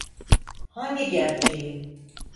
Hangi gerçeği?